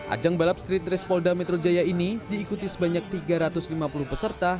ajang balap street race polda metro jaya ini diikuti sebanyak tiga ratus lima puluh peserta